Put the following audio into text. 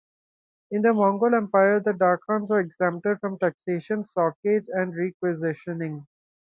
In the Mongol Empire, the darkhans were exempted from taxation, socage and requisitioning.